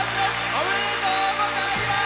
おめでとうございます。